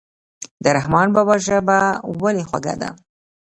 د رحمان بابا ژبه ولې خوږه ده.